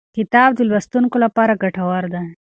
کتاب د لوستونکو لپاره ګټور دی.